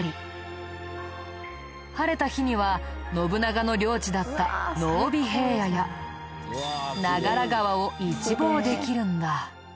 晴れた日には信長の領地だった濃尾平野や長良川を一望できるんだ。